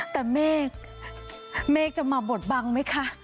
แต่เมฆเมฆจะมาบดบังไหมคะ